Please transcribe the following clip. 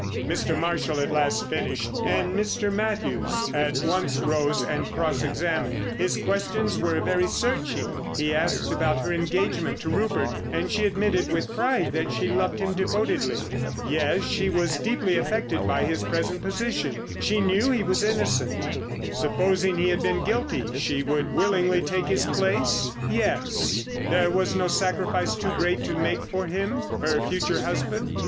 Mr. Marshall at last finished, and Mr. Mathews at once rose and cross examined. His questions were very searching; he asked about her engagement to Rupert, and she admitted with pride that she loved him devotedly. "Yes, she was deeply affected by his present position—she knew he was innocent." "Supposing he had been guilty—she would willingly take his place?" "Yes." "There was no sacrifice too great to make for him—her future husband?"